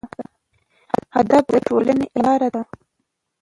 ادب د ټولنې هینداره ده.